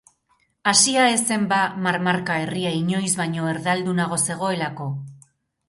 Hasia ez zen, ba, marmarka herria inoiz baino erdaldunago zegoelako?